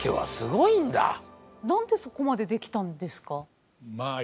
何でそこまでできたんですか？